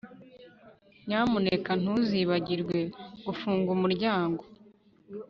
Nyamuneka ntuzibagirwe gufunga umuryango